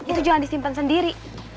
itu jangan disimpan sendiri